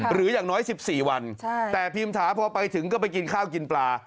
อย่างน้อย๑๔วันแต่พิมถาพอไปถึงก็ไปกินข้าวกินปลา